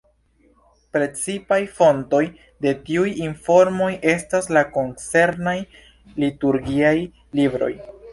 Precipaj fontoj de tiuj informoj estas la koncernaj liturgiaj libroj.